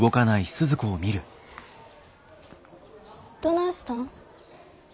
どないしたん？